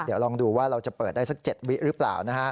เดี๋ยวลองดูว่าเราจะเปิดได้๗วินาทีรึเปล่า